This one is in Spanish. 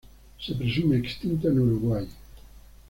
Se presume extinto en Uruguay.